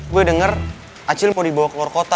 gue denger acil mau dibawa keluar kota